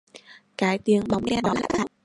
cái tiếng bóng đen đó lại quát tháo